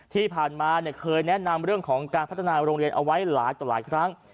ที่ผ่านมาเคยแนะนำเรื่องของการพัฒนาโรงเรียนเอาไว้หลายต่อหลายครั้ง